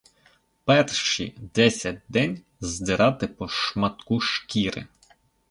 Перші десять день — здирати по шматку шкіри.